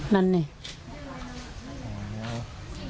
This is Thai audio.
นั่นเนี่ย